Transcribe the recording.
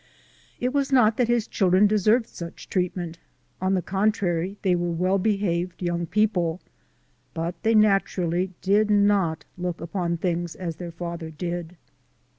It was not that his children deserved such treatment ; on the contrary, they were well behaved young peo ple, but they naturally did not look upon things as their father did.